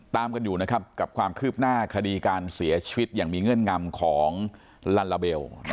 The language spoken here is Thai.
ตามกันอยู่นะครับกับความคืบหน้าคดีการเสียชีวิตอย่างมีเงื่อนงำของลัลลาเบล